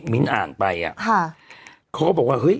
ไม่ไปเข่า